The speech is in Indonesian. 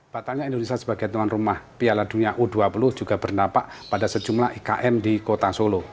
batalnya indonesia sebagai tuan rumah piala dunia u dua puluh juga bernafak pada sejumlah ikm di kota solo